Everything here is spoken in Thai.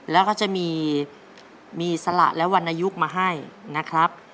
แล้วก็จะมีสละและวรรณยุคมาให้นะครับ